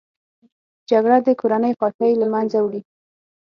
جګړه د کورنۍ خوښۍ له منځه وړي